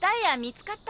よかった。